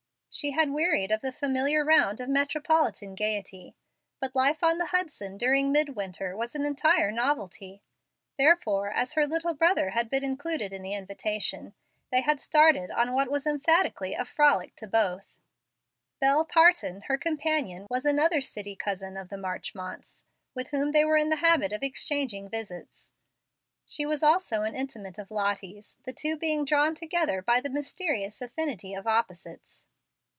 She had wearied of the familiar round of metropolitan gayety; but life on the Hudson during midwinter was an entire novelty. Therefore, as her little brother had been included in the invitation, they had started on what was emphatically a frolic to both. Bel Parton, her companion, was another city cousin of the Marchmonts, with whom they were in the habit of exchanging visits. She was also an intimate of Lottie's, the two being drawn together by the mysterious affinity of opposites.